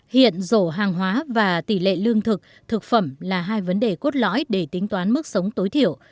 hiện rổ hàng hóa và tỷ lệ lương thực thực phẩm là hai vấn đề cốt lõi để tính toán mức sống tối thiểu